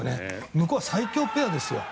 向こうは最強ペアですよ。